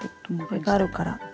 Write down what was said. これがあるから。